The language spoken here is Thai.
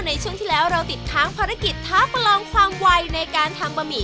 ในช่วงที่แล้วเราติดค้างภารกิจท้าประลองความไวในการทำบะหมี่